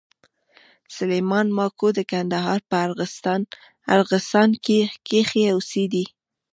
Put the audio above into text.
سلېمان ماکو د کندهار په ارغسان کښي اوسېدئ.